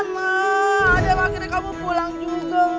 nah ada apa akhirnya kamu pulang juga